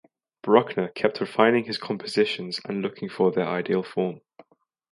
Bruckner kept refining his compositions and looking for their ideal form.